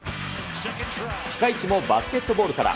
ピカイチもバスケットボールから。